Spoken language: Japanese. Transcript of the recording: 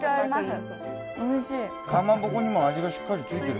かまぼこにも味がしっかりついてる。